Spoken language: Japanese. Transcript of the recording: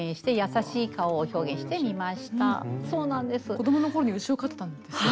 子どものころに牛を飼ってたんですね。